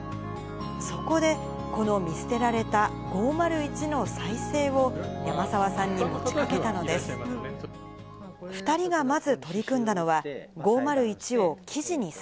そこで、この見捨てられた５０１の再生を、山澤さんに持ちかけたのです。